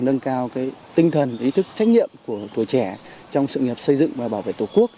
nâng cao tinh thần ý thức trách nhiệm của tuổi trẻ trong sự nghiệp xây dựng và bảo vệ tổ quốc